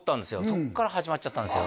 そこから始まっちゃったんですよ